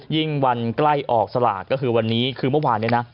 วันใกล้ออกสลากก็คือวันนี้คือเมื่อวานเนี่ยนะ